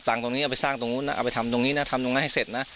ตรงนี้เอาไปสร้างตรงนู้นนะเอาไปทำตรงนี้นะทำตรงนั้นให้เสร็จนะ